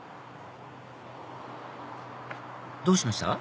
どうしました？